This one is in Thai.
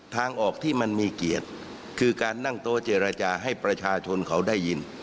ทางออกที่มันมีเกียรติคือการนั่งโต๊ะเจรจาให้ประชาชนเขาได้ยิน